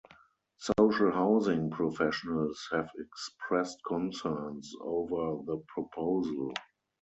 Social housing professionals have expressed concerns over the proposal.